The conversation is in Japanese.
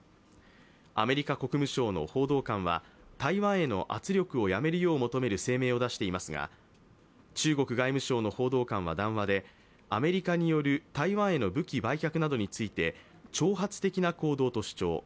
アメリカ国務省の報道官は、台湾への圧力をやめるよう求める声明を出していますが、中国外務省の報道官は談話で、アメリカによる台湾への武器売却などについて挑発的な行動と主張。